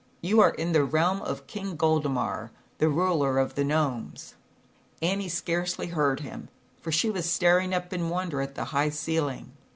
You are in the realm of King Goldemar, the ruler of the Gnomes." Annie scarcely heard him, for she was staring up in wonder at the high ceiling.